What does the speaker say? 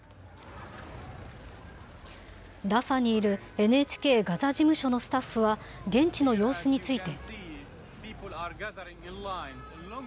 ラファにいるＮＨＫガザ事務所のスタッフは、現地の様子について。